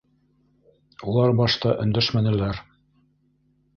Улар башта өндәшмәнеләр.